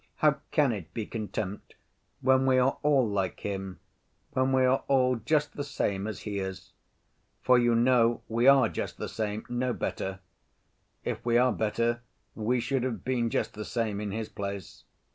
How can it be contempt when we are all like him, when we are all just the same as he is? For you know we are just the same, no better. If we are better, we should have been just the same in his place....